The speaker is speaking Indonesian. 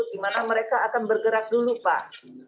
di mana mereka akan bergerak dulu pak